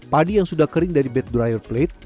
padi yang sudah kering dari bad dryer plate